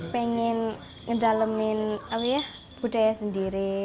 pengen ngedalemin budaya sendiri